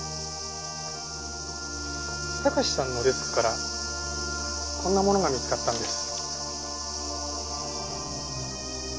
貴史さんのデスクからこんなものが見つかったんです。